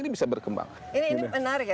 ini bisa berkembang ini menarik ya